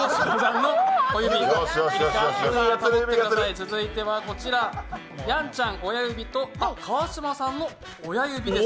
続いてはこちら、やんちゃん親指と、川島さんの親指です。